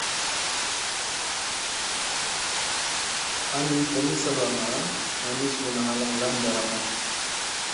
An ni dlomi sabakga may mi suuna halaŋ lam ɗaramma.